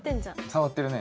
触ってるね。